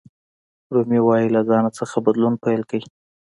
رومي وایي له ځان څخه بدلون پیل کړئ.